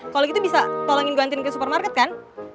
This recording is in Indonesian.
kalau gitu bisa tolongin gantiin ke supermarket kan